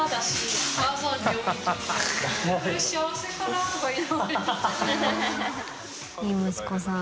矢吹）いい息子さん。